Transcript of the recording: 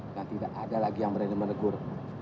dan tidak ada lagi yang merenung menegur